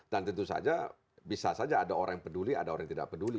dan tentu saja bisa saja ada orang yang peduli ada orang yang tidak peduli